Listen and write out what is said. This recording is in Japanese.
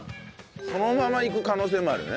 そのままいく可能性もあるよね。